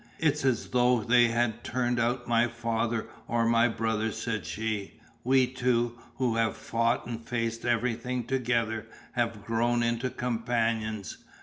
"It's as though they had turned out my father or my brother," said she, "we two who have fought and faced everything together have grown into companions.